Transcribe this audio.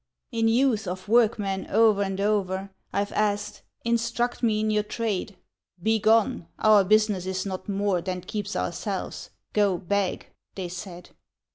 In youth, of workmen, o'er and o'er, I've asked, "Instruct me in your trade." "Begone! our business is not more Than keeps ourselves, go, beg!" they said.